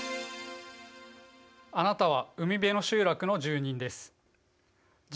あなたは海辺の集落の住人です。